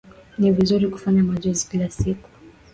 Ni vizuri kufanya mazoezi kila siku.